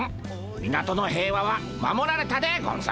港の平和は守られたでゴンス。